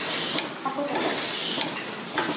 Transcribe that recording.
А ко то каже?